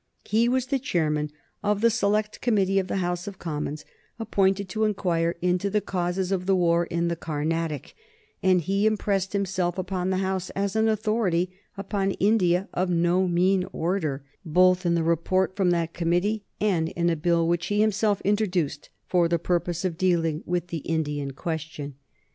He was the chairman of the select committee of the House of Commons appointed to inquire into the causes of the war in the Carnatic, and he impressed himself upon the House as an authority upon India of no mean order, both in the report from that committee and in a bill which he himself introduced for the purpose of dealing with the Indian question.